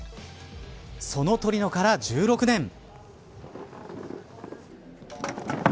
そのトリノから１６年。